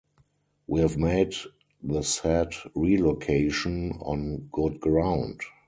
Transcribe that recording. We have made the said relocation on good ground.